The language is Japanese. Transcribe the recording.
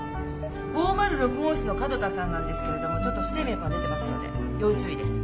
５０６号室の角田さんなんですけれどもちょっと不整脈が出てますので要注意です。